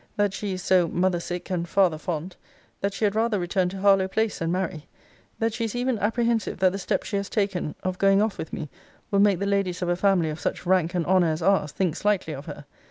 That she is so mother sick and father fond, that she had rather return to Harlowe place than marry. That she is even apprehensive that the step she has taken of going off with me will make the ladies of a family of such rank and honour as ours think slightly of her.